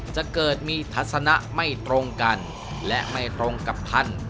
จะเกิดมีทัศนะไม่ตรงกันและไม่ตรงกับท่าน